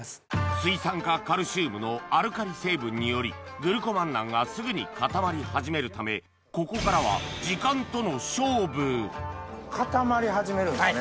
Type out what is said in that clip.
水酸化カルシウムのアルカリ成分によりグルコマンナンがすぐに固まり始めるためここからは固まり始めるんですね。